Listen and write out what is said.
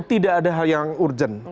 tidak ada hal yang urgent